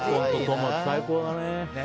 最高だね。